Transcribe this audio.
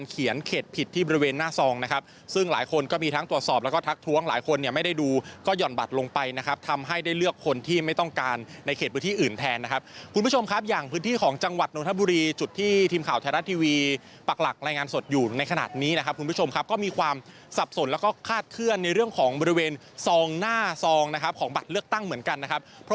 ครับซึ่งหลายคนก็มีทั้งตรวจสอบแล้วก็ทักท้วงหลายคนเนี้ยไม่ได้ดูก็หย่อนบัตรลงไปนะครับทำให้ได้เลือกคนที่ไม่ต้องการในเขตพื้นที่อื่นแทนนะครับคุณผู้ชมครับอย่างพื้นที่ของจังหวัดนทบุรีจุดที่ทีมข่าวไทยรัฐทีวีปักหลักรายงานสดอยู่ในขณะนี้นะครับคุณผู้ชมครับก็มีความสับสนแล้วก็คาดเค